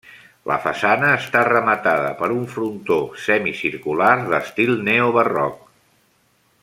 La façana està rematada per un frontó semicircular d'estil neobarroc.